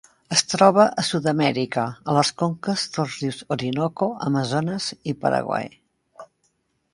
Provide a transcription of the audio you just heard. Es troba a Sud-amèrica, a les conques dels rius Orinoco, Amazones i Paraguai.